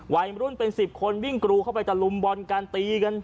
วัยรุ่นเป็น๑๐คนวิ่งกรูเข้าไปตะลุมบอลการตีกัน